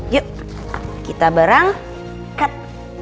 yuk kita berangkat